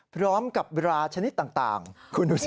พร้อมกับราชนิดต่างคุณดูสิ